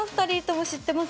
あっ知ってます